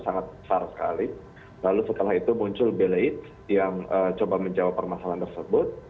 sangat besar sekali lalu setelah itu muncul beleit yang coba menjawab permasalahan tersebut